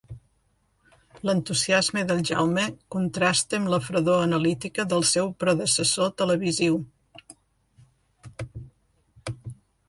L'entusiasme del Jaume contrasta amb la fredor analítica del seu predecessor televisiu.